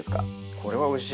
これはおいしい！